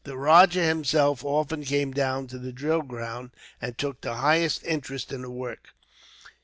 The rajah himself often came down to the drill ground, and took the highest interest in the work.